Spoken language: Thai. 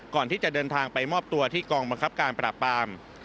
ก่อนที่จะเดินทางไปมอบตัวที่กองบังคับการปราบปราม